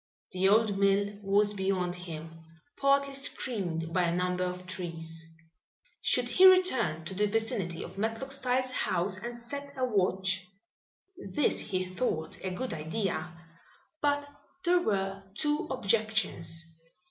The old mill was beyond him, partly screened by a number of trees. Should he return to the vicinity of Matlock Styles' house and set a watch? This he thought a good idea, but there were two objections.